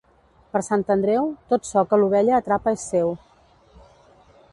Per Sant Andreu, tot ço que l'ovella atrapa és seu.